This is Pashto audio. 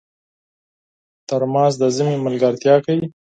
ترموز د ژمي ملګرتیا کوي.